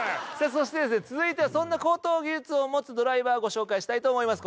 そして、続いてはそんな高等技術を持つドライバーをご紹介したいと思います。